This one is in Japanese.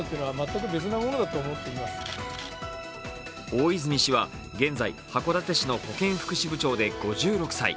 大泉氏は現在、函館市の保健福祉部長で５６歳。